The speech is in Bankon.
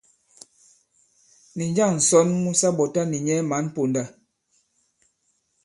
Nì njâŋ ǹsɔn mu sa ɓɔ̀ta nì nyɛ mǎn ponda?